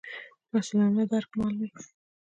مسوولانه درک مل وي.